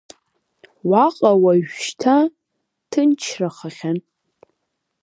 Уаҟа уажәшьҭа ҭынчрахахьан.